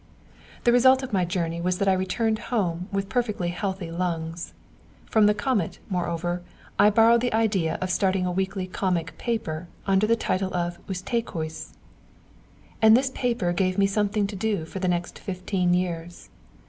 The result of my journey was that I returned home with perfectly healthy lungs. From the comet, moreover, I borrowed the idea of starting a weekly comic paper under the title of Ustökös. And this paper gave me something to do for the next fifteen years.